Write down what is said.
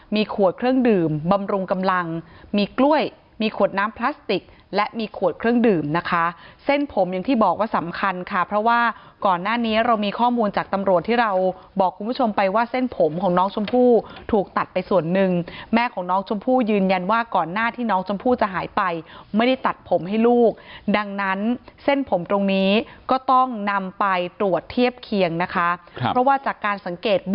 มีขวดน้ำพลาสติกและมีขวดเครื่องดื่มนะคะเส้นผมอย่างที่บอกว่าสำคัญค่ะเพราะว่าก่อนหน้านี้เรามีข้อมูลจากตำรวจที่เราบอกคุณผู้ชมไปว่าเส้นผมของน้องชมพู่ถูกตัดไปส่วนหนึ่งแม่ของน้องชมพู่ยืนยันว่าก่อนหน้าที่น้องชมพู่จะหายไปไม่ได้ตัดผมให้ลูกดังนั้นเส้นผมตรงนี้ก็ต้องนำไปตรวจเทียบเคียงนะคะ